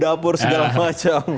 dapur segala macam